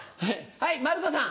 はい馬るこさん。